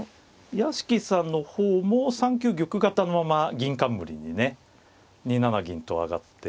屋敷さんの方も３九玉型のまま銀冠にね２七銀と上がって。